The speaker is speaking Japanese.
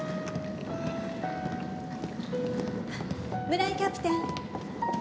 村井キャプテン。